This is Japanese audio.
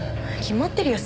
決まってるよ